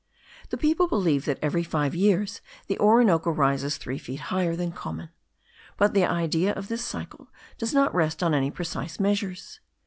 The people believe that every five years the Orinoco rises three feet higher than common; but the idea of this cycle does not rest on any precise measures.